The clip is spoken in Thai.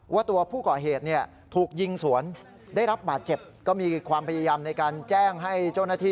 ว่าตัวผู้ก่อเหตุเนี่ยถูกยิงสวนได้รับบาดเจ็บก็มีความพยายามในการแจ้งให้เจ้าหน้าที่